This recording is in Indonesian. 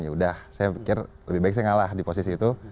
ya udah saya pikir lebih baik saya ngalah di posisi itu